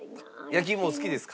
焼き芋お好きですか？